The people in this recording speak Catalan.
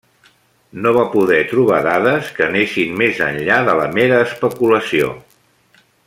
No va poder trobar dades que anessin més enllà de la mera especulació.